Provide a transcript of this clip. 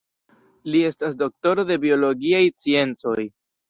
Li estas doktoro de biologiaj sciencoj.